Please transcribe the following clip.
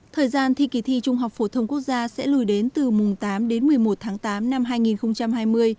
thời gian thi kỳ thi trung học phổ thông quốc gia sẽ lùi đến từ mùng tám đến một mươi một tháng tám năm hai nghìn hai mươi